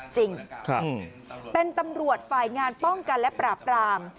จริงเป็นตำรวจฝ่ายงานป้องกันและปราบปราม